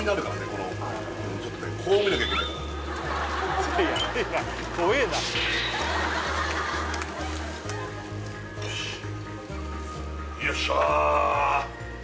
このちょっとねこう見なきゃいけないからよしよいしょ